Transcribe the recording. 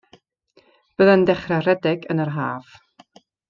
Bydda i'n dechrau rhedeg yn yr haf.